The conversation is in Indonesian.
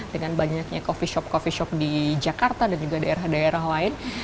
dengan banyaknya coffee shop coffee shop di jakarta dan juga daerah daerah lain